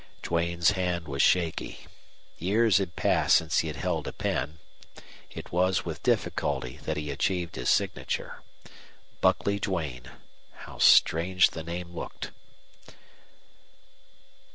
Duane's hand was shaky. Years had passed since he had held a pen. It was with difficulty that he achieved his signature. Buckley Duane how strange the name looked!